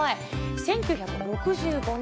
１９６５年。